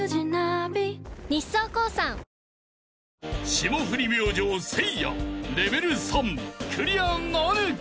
［霜降り明星せいやレベル３クリアなるか！？］